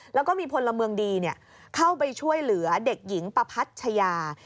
แล้วก็มีพลเมืองดีเข้าไปช่วยเหลือเด็กหญิงประพัชยา